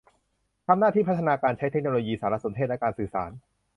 ทำหน้าที่พัฒนาการใช้เทคโนโลยีสารสนเทศและการสื่อสาร